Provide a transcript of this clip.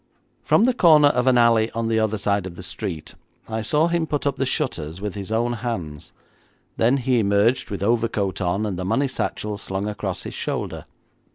From the corner of an alley on the other side of the street I saw him put up the shutters with his own hands, then he emerged with overcoat on, and the money satchel slung across his shoulder.